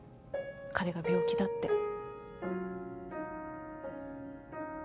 彼が病気だって。